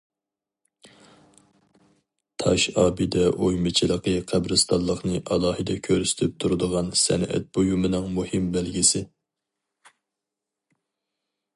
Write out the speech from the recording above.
تاش ئابىدە ئويمىچىلىقى قەبرىستانلىقنى ئالاھىدە كۆرسىتىپ تۇرىدىغان سەنئەت بۇيۇمىنىڭ مۇھىم بەلگىسى.